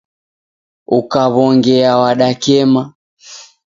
Ukaw'ongea wadakema.